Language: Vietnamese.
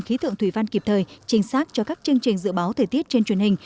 khí tượng thủy văn kịp thời chính xác cho các chương trình dự báo thời tiết trên truyền hình